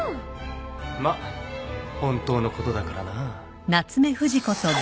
まっ本当のことだからな。